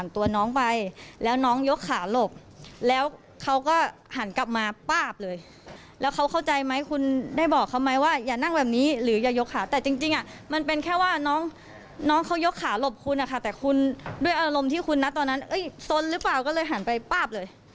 แต่คุณด้วยอารมณ์ที่คุณนัดตอนนั้นสนหรือเปล่าก็เลยหันไปป้าบเลย